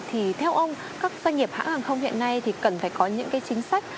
thì theo ông các doanh nghiệp hãng hàng không hiện nay thì cần phải có những cái chính sách